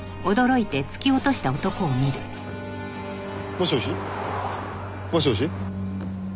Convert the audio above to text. もしもし？もしもし？